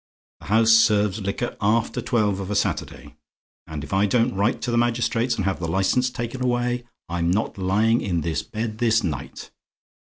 The house serves liquor after twelve of a Saturday; and if I don't write to the magistrates, and have the licence taken away, I'm not lying in this bed this night.